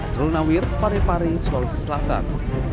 astro lawir parepare sulawesi selatan